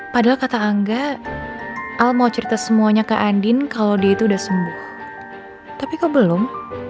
padahal kata angga al mau cerita semuanya ke andin kalau dia itu udah sembuh tapi kau belum